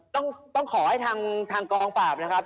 ต้องขอให้ทางกองปราบนะครับ